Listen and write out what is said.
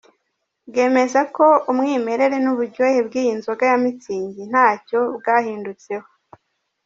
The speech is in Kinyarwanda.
Bwemeza ko umwimerere n’uburyohe bw’iyi nzoga ya Mützig ntacyo bwahindutseho.